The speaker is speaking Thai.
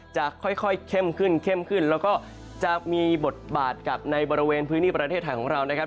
จะค่อยเข้มขึ้นเข้มขึ้นแล้วก็จะมีบทบาทกับในบริเวณพื้นที่ประเทศไทยของเรานะครับ